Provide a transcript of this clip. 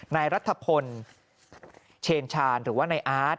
ในรัฐพลเชนชาญหรือว่าในอาร์ต